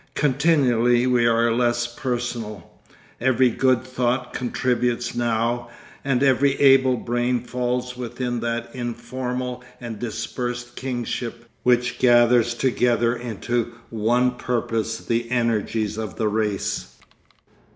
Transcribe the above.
Continually we are less personal. Every good thought contributes now, and every able brain falls within that informal and dispersed kingship which gathers together into one purpose the energies of the race.